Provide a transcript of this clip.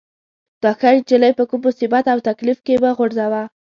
دا ښه نجلۍ په کوم مصیبت او تکلیف کې مه غورځوه.